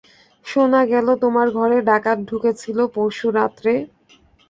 শোনা গেল তোমার ঘরে ডাকাত ঢুকেছিল পরশু রাত্রে।